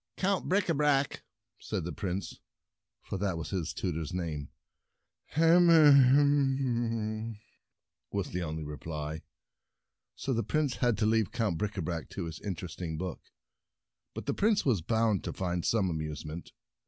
" Count Bricabrac !" said the Prince, for that was his tutor's name. " Hum um," was the only reply, so the Prince had to leave Count Bricabrac to his interesting book. But the Prince was bound to find some amusement.